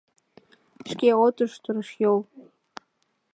Шке от уж, торешйол...